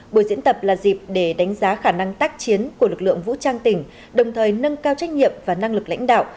buổi diễn tập là dịp để đánh giá khả năng tác chiến của lực lượng vũ trang tỉnh đồng thời nâng cao trách nhiệm và năng lực lãnh đạo